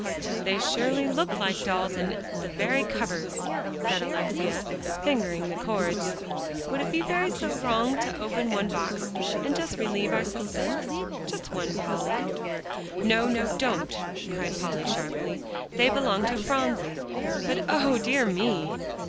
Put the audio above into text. "They surely look like dolls on the very covers," said Alexia, fingering the cords. "Would it be so very wrong to open one box, and just relieve our suspense? Just one, Polly?" "No, no, don't," cried Polly sharply. "They belong to Phronsie. But O dear me!"